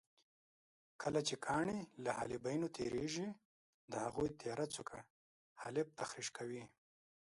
کله چې کاڼي له حالبینو تېرېږي د هغوی تېره څوکه حالب تخریش کوي.